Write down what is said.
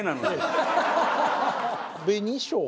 「紅しょう」が。